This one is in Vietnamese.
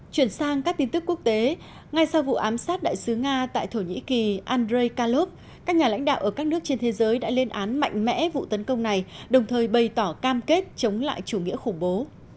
chuyển sang các tin tức quốc tế ngay sau vụ ám sát đại sứ nga tại thổ nhĩ kỳ andrei kalov các nhà lãnh đạo ở các nước trên thế giới đã lên án mạnh mẽ vụ tấn công này đồng thời bày tỏ cam kết chống lại chủ nghĩa khủng bố